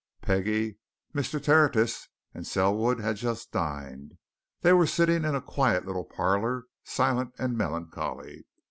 Peggie, Mr. Tertius, and Selwood had just dined; they were sitting in a quiet little parlour, silent and melancholy.